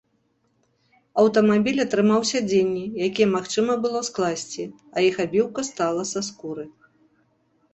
Аўтамабіль атрымаў сядзенні, якія магчыма было скласці, а іх абіўка стала са скуры.